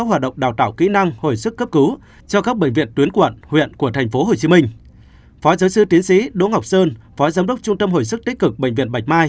phó giáo sư tiến sĩ đỗ ngọc sơn phó giám đốc trung tâm hồi sức tích cực bệnh viện bạch mai